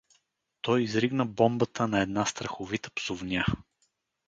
Той изригна бомбата на една страховита псувня.